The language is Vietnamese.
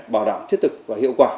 bảo đảm thiết thực và hiệu quả